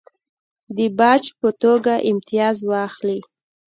د باج په توګه امتیاز واخلي.